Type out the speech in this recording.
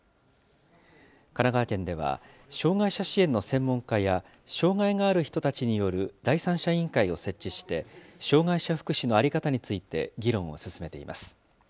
神奈川県では、障害者支援の専門家や、障害がある人たちによる第三者委員会が設置して、障害者福祉の在り方について、議論を進めています。